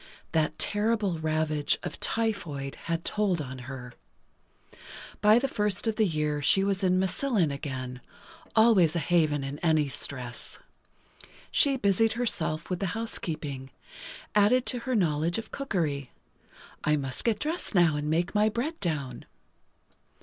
That terrible ravage of typhoid had told on her. By the first of the year she was in Massillon again, always a haven in any stress. She busied herself with the housekeeping—added to her knowledge of cookery. "I must get dressed now, and make my bread down."